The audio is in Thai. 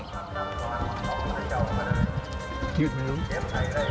เป็นน้ำจืดจริงนะครับ